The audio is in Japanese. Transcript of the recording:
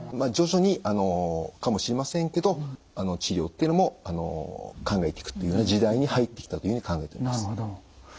徐々にかもしれませんけど治療っていうのも考えていくというふうな時代に入ってきたというふうに考えております。